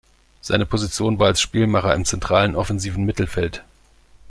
Seine Position war als Spielmacher im zentralen offensiven Mittelfeld.